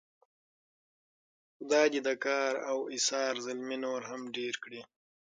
خدای دې د کار او ایثار زلمي نور هم ډېر کړي.